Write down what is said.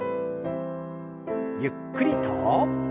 ゆっくりと。